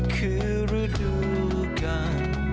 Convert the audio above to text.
คือฤดูกาล